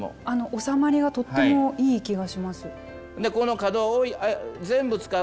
あの収まりがとってもいい気がします。